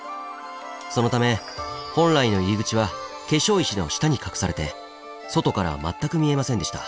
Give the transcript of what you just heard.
そのため本来の入り口は化粧石の下に隠されて外からは全く見えませんでした。